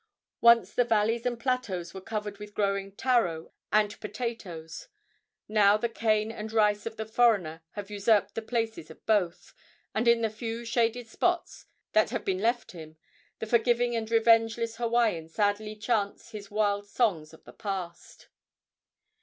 Once the valleys and plateaus were covered with growing taro and potatoes; now the cane and rice of the foreigner have usurped the places of both, and in the few shaded spots that have been left him the forgiving and revengeless Hawaiian sadly chants his wild songs of the past.